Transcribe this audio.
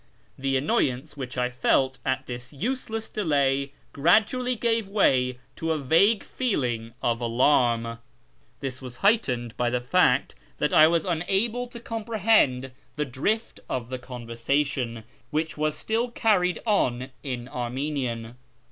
The annoyance which I felt at this useless delay gradually gave way to a vague feeling of alarm. This was heightened by the fact that I was unable to comprehend the drift of the conversation, which was still carried on in Armenian.